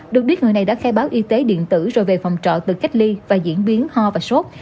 được biết người này đã khai báo y tế điện tử rồi về phòng trọ tự cách ly và diễn biến ho và sốt